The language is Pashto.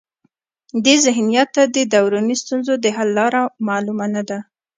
دې ذهنیت ته د دروني ستونزو د حل لاره معلومه نه ده.